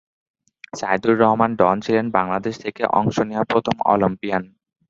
Saidur Rahman Don ছিলেন বাংলাদেশ থেকে অংশ নেয়া প্রথম অলিম্পিয়ান।